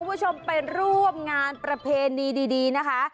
คุณผู้ชมไปร่วมงานประเพณีดีนะคะ